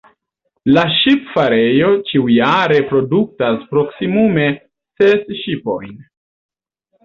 La ŝipfarejo ĉiujare produktas proksimume ses ŝipojn.